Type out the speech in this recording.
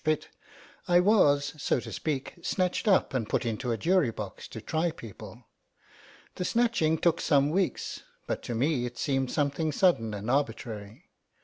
Pitt, I was, so to speak, snatched up and put into a jury box to try people. The snatching took some weeks, but to me it seemed something sudden and arbitrary.